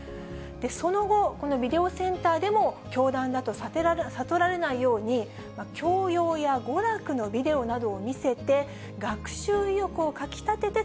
その後、このビデオセンターでも教団だと悟られないように、教養や娯楽のビデオなどを見せて、学習意欲をかきたてて、